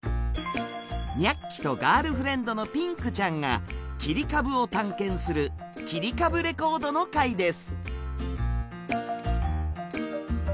ニャッキとガールフレンドのピンクちゃんが切り株を探検する「きりかぶレコード」の回です。